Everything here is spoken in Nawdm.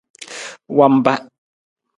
Wamba.